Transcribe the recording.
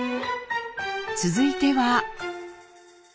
続いては。